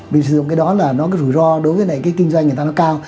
mình sử dụng cái đó là nó có rủi ro đối với cái kinh doanh người ta nó cao